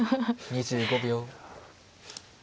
２５秒。